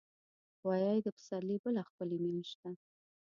غویی د پسرلي بله ښکلي میاشت ده.